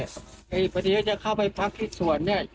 พอดีเขาจะเข้าไปพักที่สวนเนี่ย